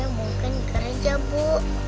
mungkin kerja bu